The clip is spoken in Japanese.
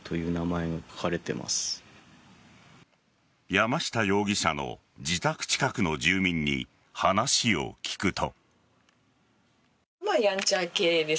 山下容疑者の自宅近くの住民に話を聞くと。